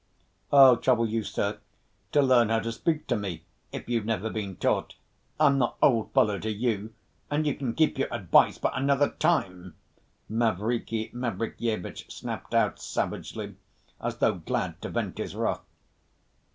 "I'll trouble you, sir, to learn how to speak to me if you've never been taught. I'm not 'old fellow' to you, and you can keep your advice for another time!" Mavriky Mavrikyevitch snapped out savagely, as though glad to vent his wrath.